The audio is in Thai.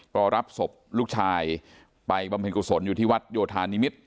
ก็รับศพลูกชายไปบำเพ็ญกุศลอยู่ที่วัดโยธานิมิตร